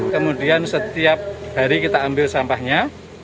kemudian setiap hari kita ambil sampahnya